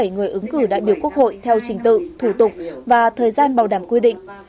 một trăm chín mươi bảy người ứng cử đại biểu quốc hội theo trình tự thủ tục và thời gian bảo đảm quy định